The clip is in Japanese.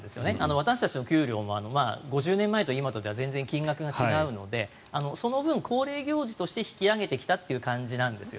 私たちの給料も５０年前とは全然金額が違うのでその分、恒例行事として引き上げてきたという感じなんです。